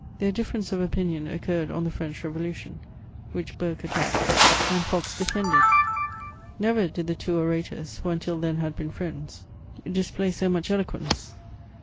Their difference of opinion occurred on the French Revolution, which Burke attacked and Fox defended. Never did the two orators, who until then had been friends, display so much eloquence.